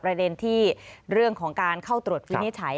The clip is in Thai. ประเด็นที่เรื่องของการเข้าตรวจวินิจฉัย